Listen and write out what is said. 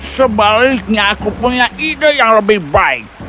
sebaliknya aku punya ide yang lebih baik